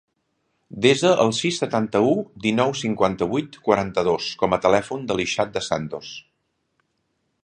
Desa el sis, setanta-u, dinou, cinquanta-vuit, quaranta-dos com a telèfon de l'Ishaq De Santos.